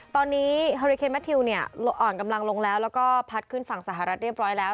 ตอนนี้ฮอริเคนแมททิวเนี่ยอ่อนกำลังลงแล้วแล้วก็พัดขึ้นฝั่งสหรัฐเรียบร้อยแล้ว